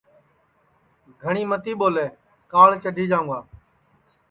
گھٹؔی متی ٻولے کاݪ چڈھی جاوں گا